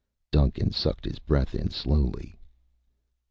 Duncan sucked his breath in slowly.